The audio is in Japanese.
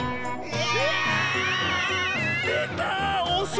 え？